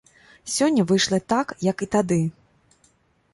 Сёння выйшла так, як і тады.